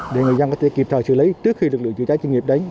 để người dân có thể kịp thời xử lý trước khi được lựa chữa trái chuyên nghiệp đấy